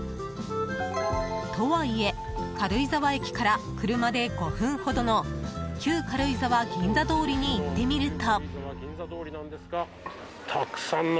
とはいえ、軽井沢駅から車で５分ほどの旧軽井沢銀座通りに行ってみると。